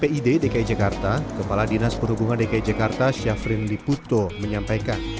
pid dki jakarta kepala dinas perhubungan dki jakarta syafrin liputo menyampaikan